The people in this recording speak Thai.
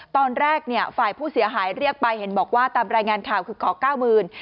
ตอนแรกเนี่ยฝ่ายผู้เสียหายเรียกไปเห็นบอกว่าตามรายงานข่าวคือขอเก้าหมื่น